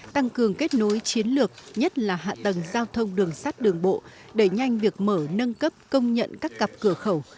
tăng cường kết nối chiến lược nhất là hạ tầng giao thông đường sắt đường bộ đẩy nhanh việc mở nâng cấp công nhận các cặp cửa khẩu